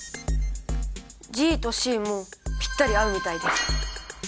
ＧとＣもピッタリ合うみたいです。